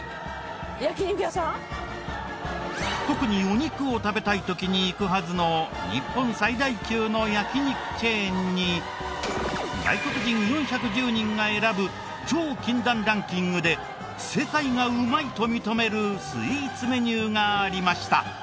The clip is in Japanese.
特にお肉を食べたい時に行くはずの外国人４１０人が選ぶ超禁断ランキングで世界がうまいと認めるスイーツメニューがありました。